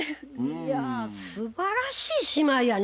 いやすばらしい姉妹やね。